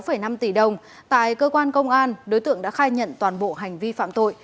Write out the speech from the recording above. năm tỷ đồng tại cơ quan công an đối tượng đã khai nhận toàn bộ hành vi phạm tội